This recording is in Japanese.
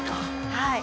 はい。